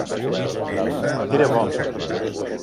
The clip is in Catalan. Era bo.